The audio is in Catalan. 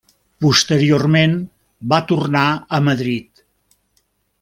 Posteriorment va tornar a Madrid.